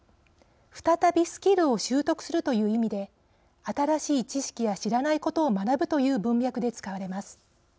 再び、スキルを習得するという意味で新しい知識や知らないことを学ぶという文脈で使われます。